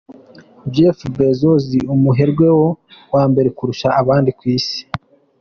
Jeff Bezos umuherwe wa mbere kurusha abandi ku isi.